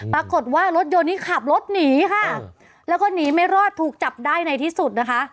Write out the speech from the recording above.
ปรากฏว่ารถยนต์นี้ขับรถหนีค่ะแล้วก็หนีไม่รอดถูกจับได้ในที่สุดนะคะ